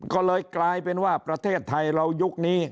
ก็เลยกลายเป็นว่าประเทศไทยเรายุคนี้